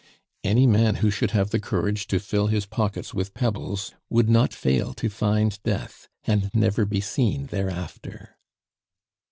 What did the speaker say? Any man who should have the courage to fill his pockets with pebbles would not fail to find death, and never be seen thereafter.